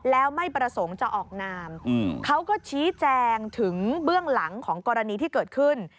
แล้วไม่ประสงค์จะออกนามเขาก็ชี้แจงถึงเบื้องหลังของกรณีที่เกิดขึ้น